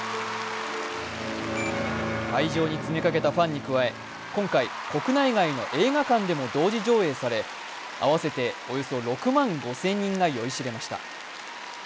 会場に詰めかけたファンに加え、今回、国内外の映画館でも同時上映され、合わせておよそ６万５０００人が酔いしれました。